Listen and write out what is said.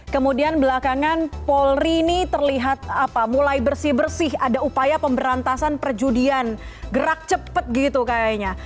kemudian belakangan polri ini terlihat mulai bersih bersih ada upaya pemberantasan perjudian gerak cepat gitu kayaknya